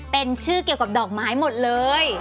เป็นชื่อเกี่ยวกับดอกไม้หมดเลย